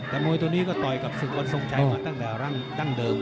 แต่มวยตัวนี้ก็ต่อยกับศึกวันทรงชัยมาตั้งแต่ดั้งเดิม